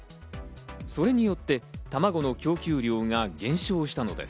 それによって、たまごの供給量が減少したのです。